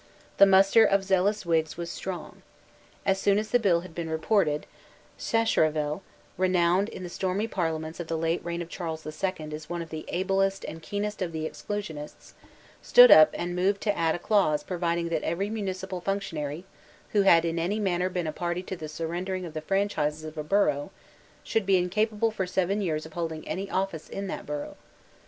The muster of zealous Whigs was strong. As soon as the bill had been reported, Sacheverell, renowned in the stormy parliaments of the reign of Charles the Second as one of the ablest and keenest of the Exclusionists, stood up and moved to add a clause providing that every municipal functionary who had in any manner been a party to the surrendering of the franchises of a borough should be incapable for seven years of holding any office in that borough.